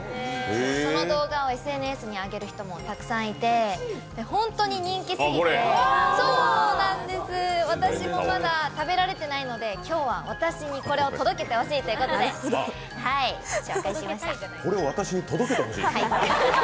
その動画をＳＮＳに上げる人もたくさんいて本当に人気すぎて、私もまだ食べられてないので、今日は私にこれを届けてほしいということで、紹介しました。